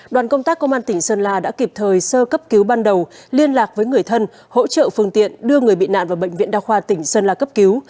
đoàn công tác công an tỉnh sơn la đã kịp thời sơ cấp cứu ban đầu liên lạc với người thân hỗ trợ phương tiện đưa người bị nạn vào bệnh viện đa khoa tỉnh sơn la cấp cứu